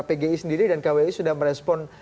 pgi sendiri dan kwi sudah merespon